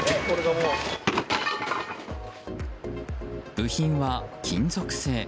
部品は金属製。